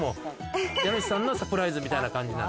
家主さんのサプライズみたいな感じ？